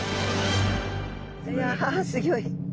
いやすギョい。